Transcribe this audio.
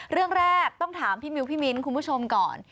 เรื่องแรกต้องถามพี่มิวพี่มิ้นคุณผู้ชมก่อน